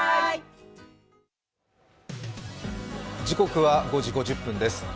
時刻は５時５０分です。